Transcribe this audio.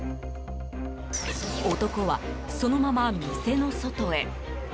男は、そのまま店の外へ。